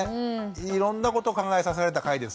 いろんなことを考えさせられた回ですね。